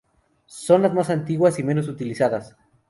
Son las más antiguas y menos utilizadas.